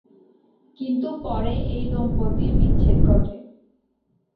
কিন্তু পরে এই দম্পতির বিচ্ছেদ ঘটে।